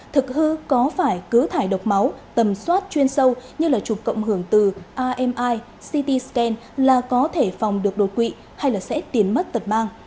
thực hư có phải cứ thải độc máu tầm soát chuyên sâu như là chụp cộng hưởng từ ami ct scan là có thể phòng được đột quỵ hay là sẽ tiến mất tật mang